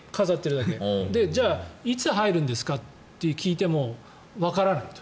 じゃあいつ入るんですか？と聞いてもわからないと。